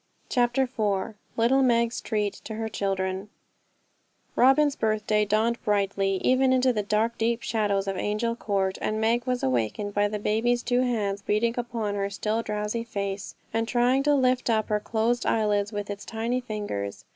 CHAPTER IV Little Meg's Treat to Her Children Robin's birthday dawned brightly, even into the dark deep shadows of Angel Court, and Meg was awakened by the baby's two hands beating upon her still drowsy face, and trying to lift up her closed eyelids with its tiny fingers.